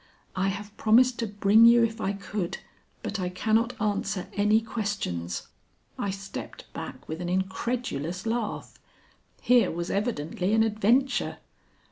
I have promised to bring you if I could, but I cannot answer any questions." I stepped back with an incredulous laugh. Here was evidently an adventure.